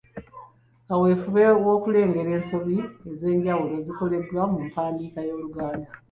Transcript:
Kaweefube wa kulengera ensobi ez'enjawulo ezikolebwa mu mpandiika y'Oluganda.